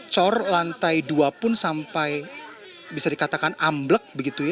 cor lantai dua pun sampai bisa dikatakan amblek